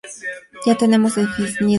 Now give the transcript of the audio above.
Ya tenemos definido el servidor.